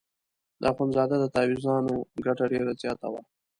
د اخندزاده د تاویزانو ګټه ډېره زیاته وه.